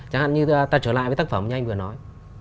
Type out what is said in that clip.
chẳng hạn như ta trở lại với tác phẩm như anh vừa nói